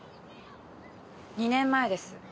２年前です。